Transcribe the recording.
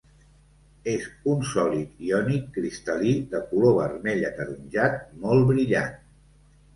És un sòlid iònic cristal·lí de color vermell ataronjat molt brillant.